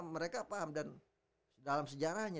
mereka paham dan dalam sejarahnya